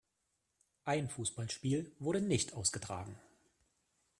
Ein Fußballspiel wurde nicht ausgetragen.